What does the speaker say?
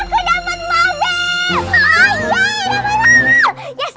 iya yang kedamaian maaf ya ya ya maaf ya ya aku mau dia